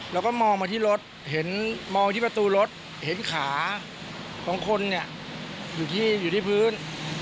แล้วก็มองมาที่รถเห็นมองที่ประตูรถเห็นขาของคนเนี่ยอยู่ที่อยู่ที่พื้น